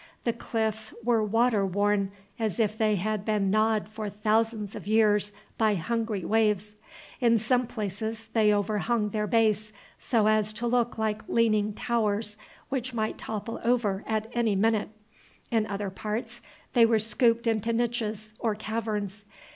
The cliffs were water worn, as if they had been gnawed for thousands of years by hungry waves. In some places they overhung their base so as to look like leaning towers which might topple over at any minute. In other parts they were scooped into niches or caverns.